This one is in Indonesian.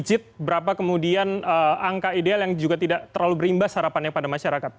berapa kemudian angka ideal yang juga tidak terlalu berimbas harapannya pada masyarakat